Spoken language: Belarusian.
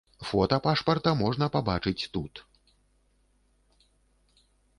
Фота пашпарта можна пабачыць тут.